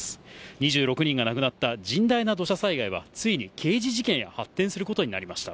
２６人が亡くなった甚大な土砂災害はついに刑事事件へ発展することになりました。